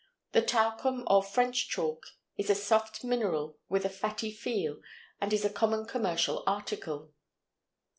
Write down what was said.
The talcum or French chalk is a soft mineral with a fatty feel and is a common commercial article.